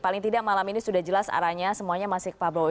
paling tidak malam ini sudah jelas arahnya semuanya masih ke pak prabowo